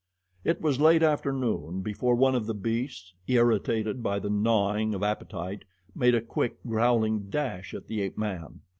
It was late afternoon before one of the beasts, irritated by the gnawing of appetite, made a quick, growling dash at the ape man.